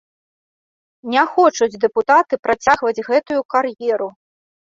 Не хочуць дэпутаты працягваць гэтую кар'еру!